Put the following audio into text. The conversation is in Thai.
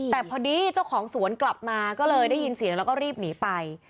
แต่พอดีเจ้าของสวนกลับมาก็เลยได้ยินเสียงแล้วก็รีบหนีไป